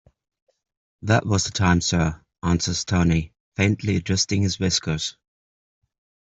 "That was the time, sir," answers Tony, faintly adjusting his whiskers.